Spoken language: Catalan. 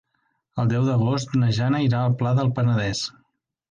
El deu d'agost na Jana irà al Pla del Penedès.